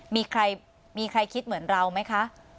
มีใครมีใครคิดเหมือนเราไหมคะ